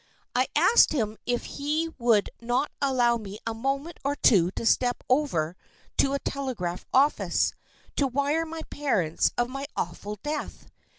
I asked him if he would not allow me a moment or two to step over to a telegraph office to wire my parents of my awful death.